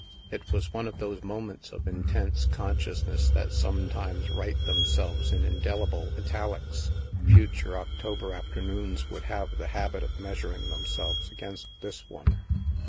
It was one of those moments of intense consciousness that sometimes write them selves in indelible Italics ; future October afternoons would have the habit of measuring themselves against this one.